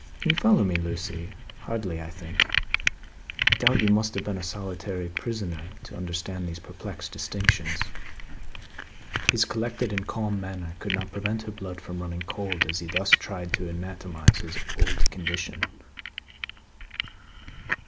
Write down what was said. Can you follow me, Lucie? Hardly, I think? I doubt you must have been a solitary prisoner to understand these perplexed distinctions." His collected and calm manner could not prevent her blood from running cold, as he thus tried to anatomise his old condition.